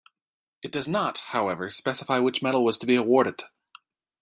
It does not, however, specify which medal was to be awarded.